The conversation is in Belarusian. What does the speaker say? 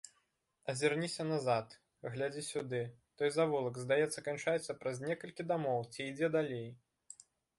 Азірніся назад, глядзі сюды, той завулак, здаецца, канчаецца праз некалькі дамоў ці ідзе далей?